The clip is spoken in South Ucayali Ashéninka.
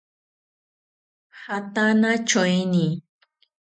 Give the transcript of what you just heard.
Jatana tyoeni